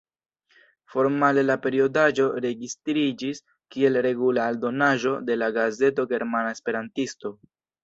Formale la periodaĵo registriĝis kiel regula aldonaĵo de la gazeto Germana Esperantisto.